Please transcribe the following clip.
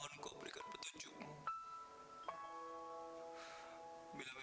aduh tapi kak sir itu kan dosa